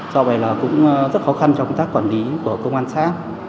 do vậy là cũng rất khó khăn trong công tác quản lý của công an xã